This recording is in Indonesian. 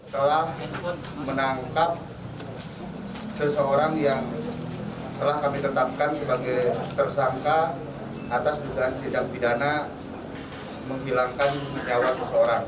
telah menangkap seseorang yang telah kami tetapkan sebagai tersangka atas dugaan sidang pidana menghilangkan nyawa seseorang